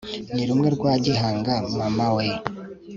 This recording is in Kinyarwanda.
ni rumwe rwa gihanga mama we